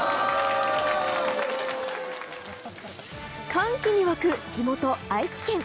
歓喜に沸く地元・愛知県。